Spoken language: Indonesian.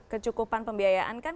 kecukupan pembiayaan kan